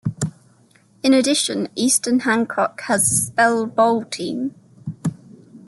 In addition, Eastern Hancock has a Spell Bowl team.